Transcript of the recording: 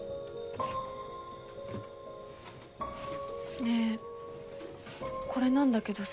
ねえこれなんだけどさ。